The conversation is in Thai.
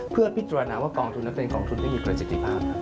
เพื่อพิจารณาว่ากองทุนนั้นเป็นกองทุนไม่มีประสิทธิภาพ